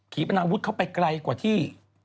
ขี้ปนะวุฒิเข้าไปไกลกว่าที่